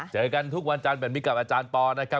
เจอกันทุกวันอาจารย์แบบนี้กับอาจารย์ปอล์